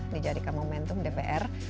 dijadikan momentum dpr